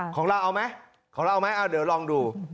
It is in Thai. ของเราเอาไหมของเราไหมเอาเดี๋ยวลองดู